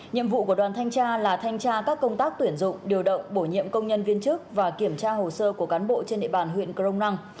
nhiệm vụ của đoàn thanh tra là thanh tra các công tác tuyển dụng điều động bổ nhiệm công nhân viên chức và kiểm tra hồ sơ của cán bộ trên địa bàn huyện crong năng